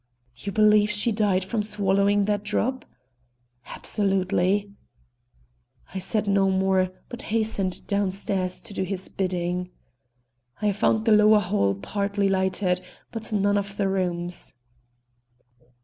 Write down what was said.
"You believe she died from swallowing that drop?" "Absolutely." I said no more, but hastened down stairs to do his bidding. I found the lower hall partly lighted, but none of the rooms.